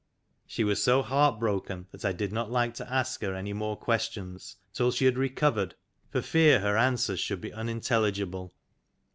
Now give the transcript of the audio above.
She was so heart broken that I did not like to ask her any more questions till she had recovered, for fear her anwers should be unintelligible.